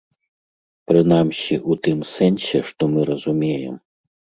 Прынамсі, у тым сэнсе, што мы разумеем.